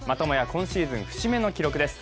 今シーズン節目の記録です。